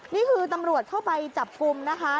นี่คือตำรวจเข้าไปจับกลุ่มนะคะ